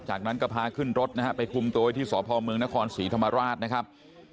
จากนั้นก็พาขึ้นรถนะฮะไปคุมตัวไว้ที่สพเมืองนครศรีธรรมราชนะครับ